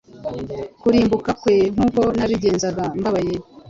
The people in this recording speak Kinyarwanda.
Kurimbuka kwe, nkuko nabigenzaga mbabaye